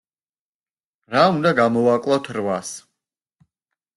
რა უნდა გამოვაკლოთ რვას?